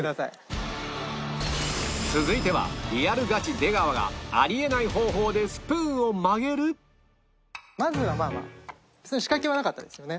続いてはリアルガチ出川がまずはまあまあ仕掛けはなかったですよね。